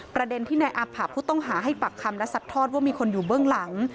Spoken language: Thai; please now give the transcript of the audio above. ประเด็นที่นายอาผะผู้ต้องหาให้ปักคำและซัดทอดว่ามีคนอยู่เบื้องหลัง